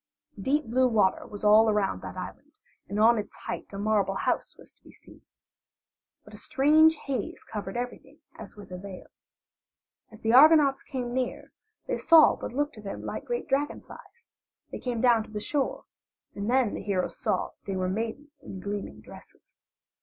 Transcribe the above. Deep blue water was all around that island, and on its height a marble house was to be seen. But a strange haze covered everything as with a veil. As the Argonauts came near they saw what looked to them like great dragonflies; they came down to the shore, and then the heroes saw that they were maidens in gleaming dresses.